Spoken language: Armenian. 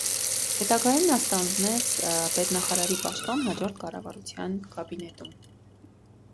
Հետագայում նա ստանձնեց պետնախարարի պաշտոն հաջորդ կառավարության կաբինետում։